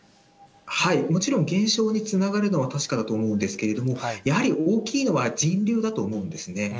もちろん、減少につながるのは確かだと思うんですけれども、やはり大きいのは人流だと思うんですね。